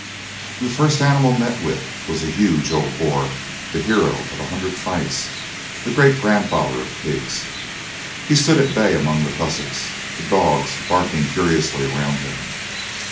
The first animal met with was a huge old boar, the hero of a hundred fights, the great grandfather of pigs. He stood at bay among the tussocks, the dogs barking furiously around him.